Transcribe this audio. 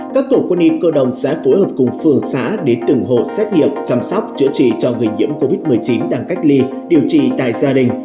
các tổ quân y cơ đồng sẽ phối hợp cùng phường xã đến từng hộ xét nghiệm chăm sóc chữa trị cho người nhiễm covid một mươi chín đang cách ly điều trị tại gia đình